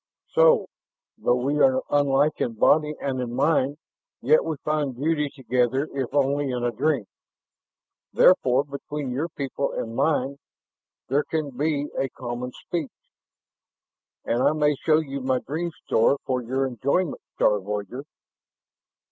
"So, though we are unlike in body and in mind, yet we find beauty together if only in a dream. Therefore, between your people and mine there can be a common speech. And I may show you my dream store for your enjoyment, star voyager."